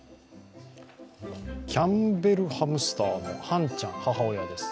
キャンベルハムスターのはんちゃん、母親です